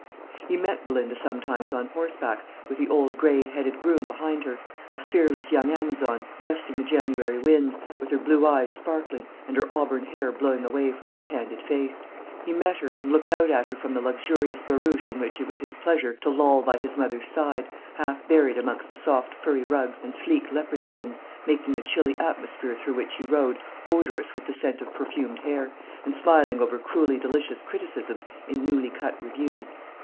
He met Belinda sometimes on horseback with the old grey headed groom behind her, a fearless young amazon, breasting the January winds, with her blue eyes sparkling, and her auburn hair blowing away from her candid face: he met her, and looked out at her from the luxurious barouche in which it was his pleasure to loll by his mother's side, half buried amongst soft furry rugs and sleek leopard skins, making the chilly atmosphere through which he rode odorous with the scent of perfumed hair, and smiling over cruelly delicious criticisms in newly cut reviews.